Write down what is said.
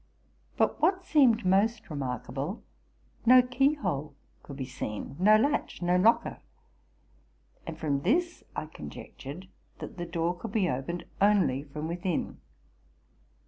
But, what seemed most reqharkable, no keyhole could be seen, no latch, no knocker; and from this I conjectured that the door could be opened only from within.